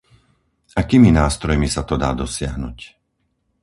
Akými nástrojmi sa to dá dosiahnuť?